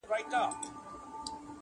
زړه د اسیا ومه ثاني جنت وم,